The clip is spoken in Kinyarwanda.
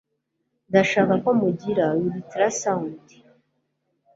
Ndashaka ko mugira ultrasound.